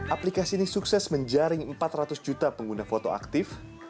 aplikasi ini sukses menjaring empat ratus juta pengguna foto aktif